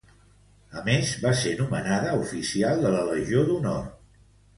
A més, va ser nomenada Oficial de la Legió d'Honor.